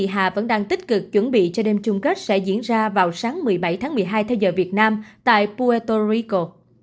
tổ chức hoa hậu thế giới đang tích cực chuẩn bị cho đêm chung kết sẽ diễn ra vào sáng một mươi bảy tháng một mươi hai theo giờ việt nam tại puerto rico